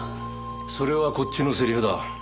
それはこっちのセリフだ。